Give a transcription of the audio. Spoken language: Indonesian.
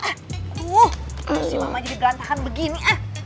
uh harusnya mamanya digantahkan begini